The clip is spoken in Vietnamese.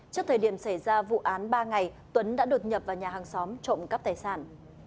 trước thời điểm xảy ra vụ án ba ngày tuấn đã đột nhập vào nhà hàng xóm trộm cắp tài sản